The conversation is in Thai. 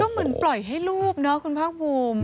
เหมือนปล่อยให้รูปเนาะคุณภาคภูมิ